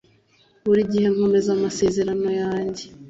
Buri gihe nkomeza amasezerano yanjye